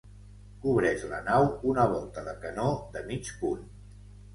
Cobreix la nau una volta de canó de mig punt.